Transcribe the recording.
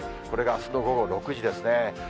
これがあすの午後６時ですね。